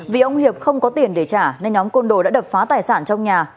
vì ông hiệp không có tiền để trả nên nhóm côn đồ đã đập phá tài sản trong nhà